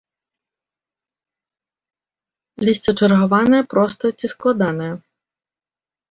Лісце чаргаванае, простае ці складанае.